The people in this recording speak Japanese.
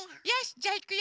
じゃあいくよ。